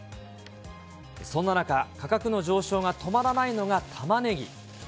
そんな中、価格の上昇が止まらないのがたまねぎ。